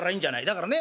だからね